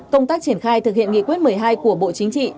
công tác triển khai thực hiện nghị quyết một mươi hai của bộ chính trị